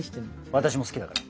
私も好きだから。